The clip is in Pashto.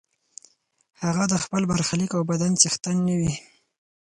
هغه د خپل برخلیک او بدن څښتن نه وي.